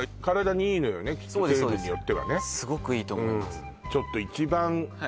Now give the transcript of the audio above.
すごくいいと思います